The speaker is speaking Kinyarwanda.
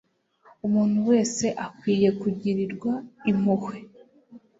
umuntu wese akwiye kugirirwa impuhwe